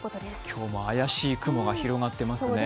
今日も怪しい雲が広がっていますね。